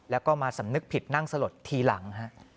แล้วก็มาสำนึกผิดนั่งสลดทีหลัง